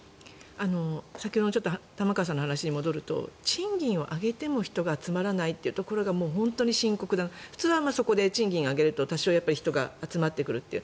先ほどの玉川さんの話に戻ると賃金を上げても人が集まらないというところが本当に深刻で普通、そこで賃金を上げると多少人が集まってくるという。